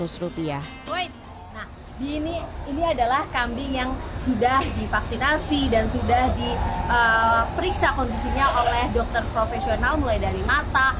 nah ini adalah kambing yang sudah divaksinasi dan sudah diperiksa kondisinya oleh dokter profesional mulai dari mata